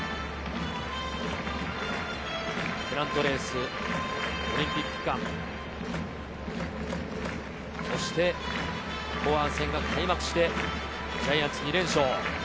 ペナントレース、オリンピック期間、そして後半戦が開幕してジャイアンツ２連勝。